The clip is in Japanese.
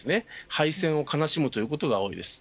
廃線を悲しむということが多いです。